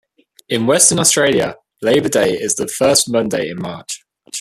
In Western Australia, Labour Day is the first Monday in March.